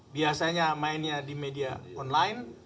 biasanya mainnya di media online